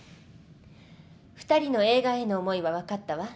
２人の映画への思いは分かったわ。